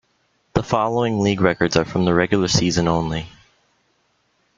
The following league records are from the regular season only.